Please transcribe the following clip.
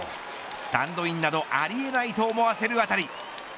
スタンドインなどありえないと思わせる当たり。